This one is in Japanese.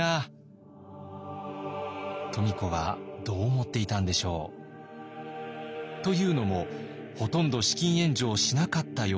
富子はどう思っていたんでしょう？というのもほとんど資金援助をしなかったようなんです。